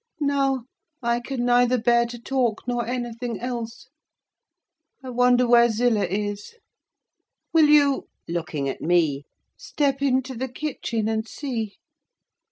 Now, I can neither bear to talk, nor anything else. I wonder where Zillah is! Will you" (looking at me) "step into the kitchen and see?"